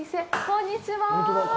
こんにちは。